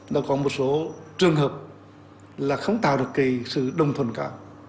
nó còn một số trường hợp là không tạo được cái sự đồng thuận cả